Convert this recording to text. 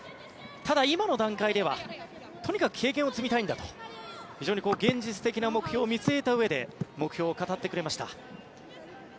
ただ、今の段階ではとにかく経験を積みたいんだと非常に現実的な目標を見据えたうえで目標を語ってくれました。